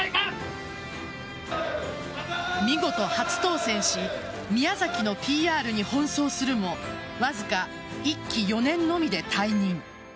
見事、初当選し宮崎のＰＲに奔走するもわずか１期４年のみで退任。